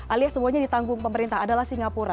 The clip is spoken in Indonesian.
alias semuanya ditanggung pemerintah adalah singapura